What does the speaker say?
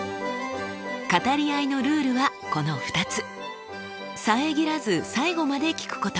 語り合いのルールはこの２つ。